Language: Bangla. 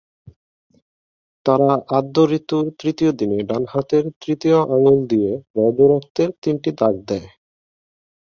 তারা আদ্যঋতুর তৃতীয় দিনে ডান হাতের তৃতীয় আঙুল দিয়ে রজোরক্তের তিনটি দাগ দেয়।